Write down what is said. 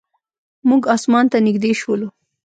موږ اسمان ته نږدې شولو.